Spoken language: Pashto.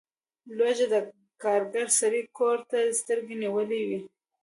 لوږه د کارګر سړي کور ته سترګې نیولي وي.